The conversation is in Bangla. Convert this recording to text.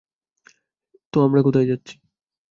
তো আমরা কোথায় যাচ্ছি?